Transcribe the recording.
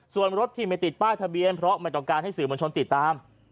ส่วนรถที่ไม่ติดป้ายทะเบียนเพราะไม่ต้องการให้สื่อมวลชนติดตาม